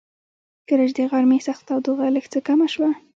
کله چې د غرمې سخته تودوخه لږ څه کمه شوه.